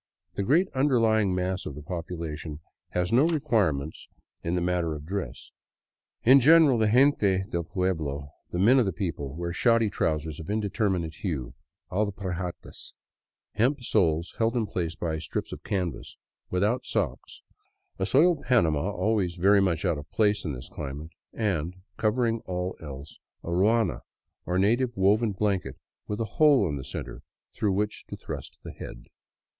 The great underlying mass of the population has no requirements in 23 VAGABONDING DOWN THE ANDES the matter of dress. In general the gente del pueblo — the ''men of the people "— wear shoddy trousers of indeterminate hue, alpargatas, r— hemp soles held in place by strips of canvas — without socks, a soiled " panama " always very much out of place in this climate, and, covering all else, a ruana, or native woven blanket with a hole in the center through which to thrust the head.